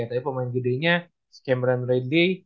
tapi pemain gedenya si cameron redley